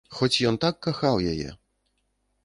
Хоць ён так кахаў яе!